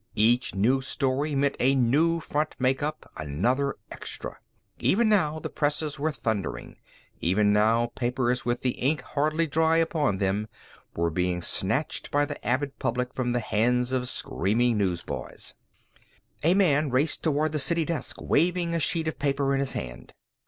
Each new story meant a new front make up, another extra. Even now the presses were thundering, even now papers with the ink hardly dry upon them were being snatched by the avid public from the hands of screaming newsboys. A man raced toward the city desk, waving a sheet of paper in his hand.